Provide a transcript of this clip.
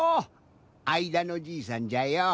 あいだのじいさんじゃよ。